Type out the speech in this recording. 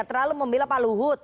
terlalu membela pak luhut